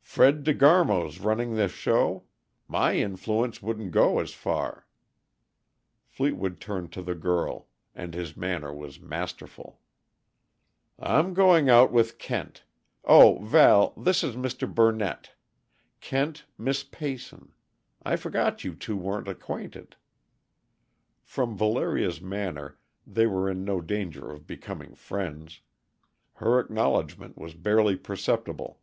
"Fred De Garmo's running this show. My influence wouldn't go as far " Fleetwood turned to the girl, and his manner was masterful. "I'm going out with Kent oh, Val, this is Mr. Burnett. Kent, Miss Peyson. I forgot you two aren't acquainted." From Valeria's manner, they were in no danger of becoming friends. Her acknowledgment was barely perceptible.